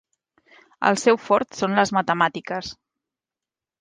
El seu fort són les matemàtiques.